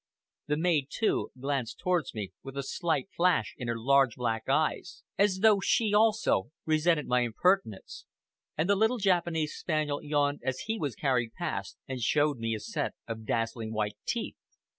The maid, too, glanced towards me with a slight flash in her large black eyes, as though she, also, resented my impertinence, and the little Japanese spaniel yawned as he was carried past, and showed me a set of dazzling white teeth.